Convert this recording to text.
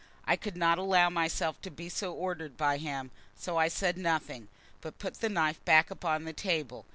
I could not allow myself to be so ordered by him; so I said nothing, but put the knife back upon the table.